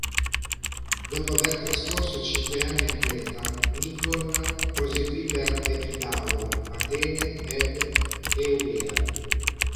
Dopo aver trascorso cinque anni a Creta, Nikon proseguì per Epidauro, Atene ed Eubea.